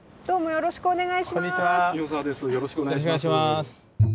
よろしくお願いします。